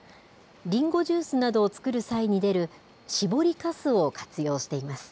りんごジュースなどを作る際に出る搾りかすを活用しています。